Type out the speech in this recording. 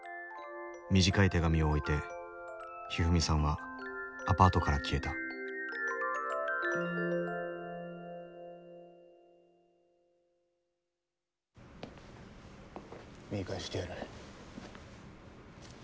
短い手紙を置いてひふみさんはアパートから消えた見返してやる。